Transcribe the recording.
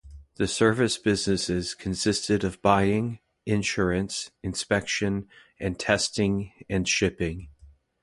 The service businesses consisted of buying, insurance, inspection and testing, and shipping.